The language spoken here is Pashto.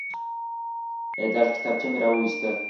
د یادښت کتابچه مې راوویسته.